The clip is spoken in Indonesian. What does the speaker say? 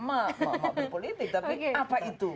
mak mak di politik tapi apa itu